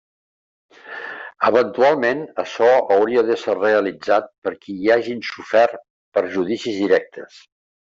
Eventualment açò hauria d'ésser realitzat per qui hi hagin sofert perjudicis directes.